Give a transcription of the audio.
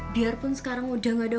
biarpun sekarang udah nggak ada orang